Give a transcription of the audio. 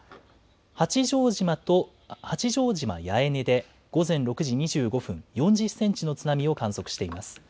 八丈島と、八丈島八重根で午前６時２５分ごろ、４０センチの津波を観測しています。